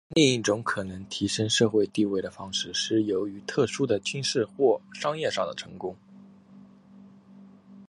另一种可能提升社会地位的方式是由于特殊的军事或商业上的成功。